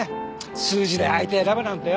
数字で相手選ぶなんてよ。